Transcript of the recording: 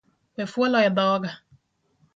We fuolo edhoga